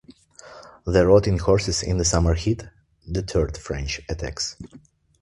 The rotting horses in the summer heat deterred French attacks.